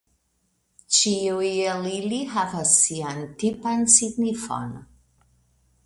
Ĉiuj el ili havas sian tipan signifon.